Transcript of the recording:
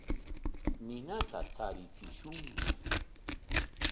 Ninata charichishunña.